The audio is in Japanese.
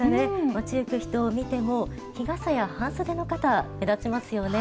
街行く人を見ても日傘や半袖の方目立ちますよね。